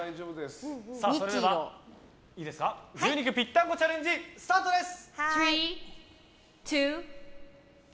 それでは牛肉ぴったんこチャレンジスタートです。